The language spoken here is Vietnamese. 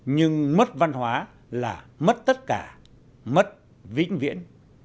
nhưng mất văn hóa là mất tất cả mất vĩnh viễn